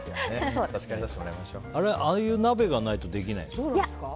ああいう鍋がないとできないですか？